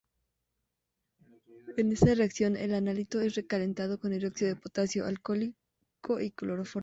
En esta reacción, el analito es calentado con hidróxido de potasio alcohólico y cloroformo.